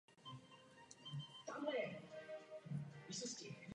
Organizátoři se rozhodli událost v kalendáři sezóny ponechat.